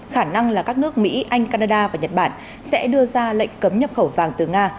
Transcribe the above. khả năng là các nước mỹ anh canada và nhật bản sẽ đưa ra lệnh cấm nhập khẩu vàng từ nga